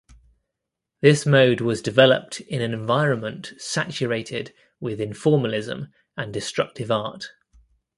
This mode was developed in an environment saturated with Informalism and Destructive Art.